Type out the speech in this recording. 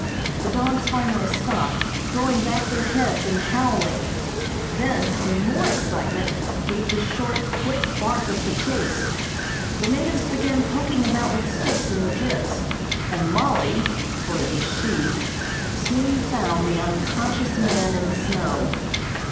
The dogs finally stopped, throwing back their heads and howling; then, in more excitement, gave the short, quick bark of the chase. The natives began poking about with sticks in the drifts, and Mollie (for it was she) soon found the unconscious man in the snow.